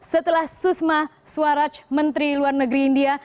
setelah susma swaraj menteri luar negeri india